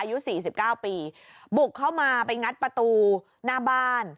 อายุ๔๙ปีบุกเข้ามาไปงัดประตูหน้าบ้าน